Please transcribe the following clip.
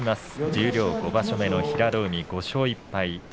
十両５場所目の平戸海、５勝１敗。